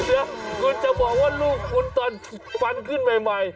เดี๋ยวคุณจะบอกว่าลูกคุณตอนฟันขึ้นใหม่